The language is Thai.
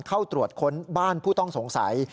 เข้าตรวจค้นบ้านผู้ต้องสงสัย